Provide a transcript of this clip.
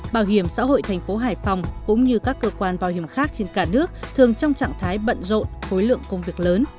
bảo hiểm xã hội thành phố hải phòng cũng như các cơ quan bảo hiểm khác trên cả nước thường trong trạng thái bận rộn khối lượng công việc lớn